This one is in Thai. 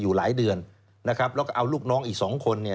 อยู่หลายเดือนนะครับแล้วก็เอาลูกน้องอีกสองคนเนี่ย